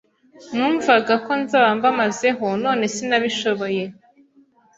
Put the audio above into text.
nnumvaga ko nzaba mbamazeho none sinabishoboye